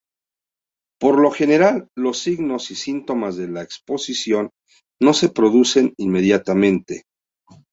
Por lo general, los signos y síntomas de la exposición no se producen inmediatamente.